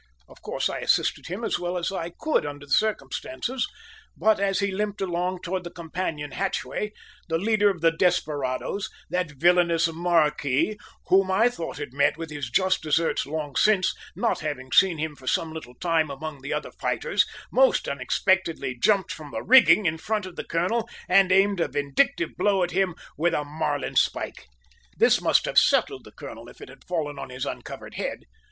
Of course I assisted him as well as I could under the circumstances, but as he limped along towards the companion hatchway, the leader of the desperadoes, that villainous "marquis," who I thought had met with his just deserts long since, not having seen him for some little time among the other fighters, most unexpectedly jumped from the rigging in front of the colonel and aimed a vindictive blow at him with a marline spike. This must have settled the colonel if it had fallen on his uncovered head.